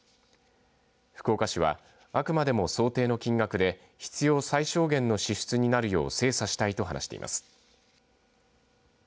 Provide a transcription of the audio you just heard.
福岡市はあくまでも想定の金額で必要最小限の支出になるよう精査したいと話しています。